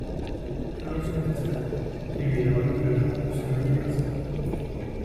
Selon son testament, il lui est remis le jour de son anniversaire.